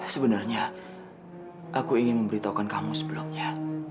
sebenarnya aku ingin memberitahukan kamu sebelumnya